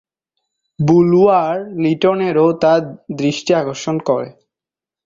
বুলওয়ার-লিটনেরও তা দৃষ্টি আকর্ষণ করে।